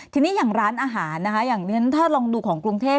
ทีนี้อย่างร้านอาหารนะคะอย่างฉันถ้าลองดูของกรุงเทพ